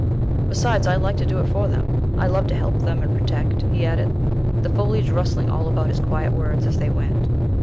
"Besides, I like to do it for them. I love to help them and protect," he added, the foliage rustling all about his quiet words as they went.